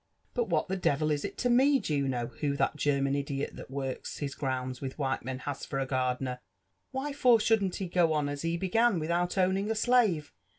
" But what the devil is it to me, Juno, who that German idiot that works his grounds wilh white men has for a gardener? Why for shouldn't he go on as he began, without owning a slave?